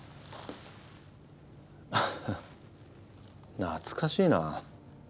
ハハ懐かしいな。